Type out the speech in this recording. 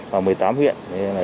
và một mươi tám huyện